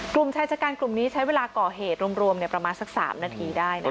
กลุ่มชายชะกันกลุ่มนี้ใช้เวลาก่อเหตุรวมประมาณสัก๓นาทีได้นะคะ